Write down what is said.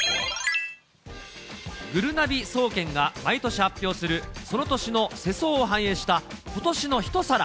ぐるなび総研が毎年発表する、その年の世相を反映した今年の一皿。